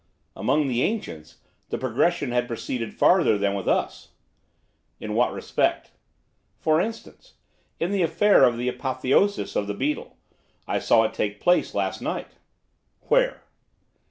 'Among the ancients the progression had proceeded farther than with us.' 'In what respect?' 'For instance, in the affair of the Apotheosis of the Beetle; I saw it take place last night.' 'Where?